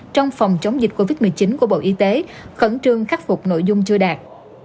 trong phòng chống dịch covid một mươi chín của bộ y tế khẩn trương khắc phục nội dung chưa đạt